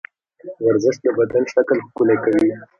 ورزش د بدن شکل ښکلی کوي.